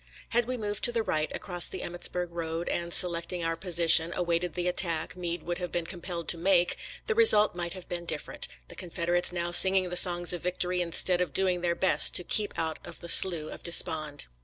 Had we moved to the right across the Emmitsburg road, and, selecting our position, awaited the attack Meade would have been compelled to make, the result might have 132 SOLDIER'S LETTERS TO CHARMING NELLIE been different, the Confederates now singing the songs of victory instead of doing their best to keep out of the slough of despond.